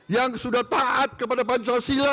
yang sudah taat kepada pancasila